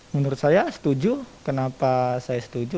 menurut saya setuju kenapa saya setuju